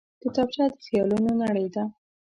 کتابچه د خیالونو نړۍ ده